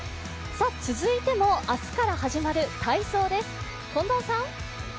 続いても明日から始まる体操です。